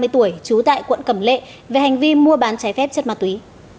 ba mươi tuổi trú tại quận cẩm lệ về hành vi mua bán trái phép chất ma túy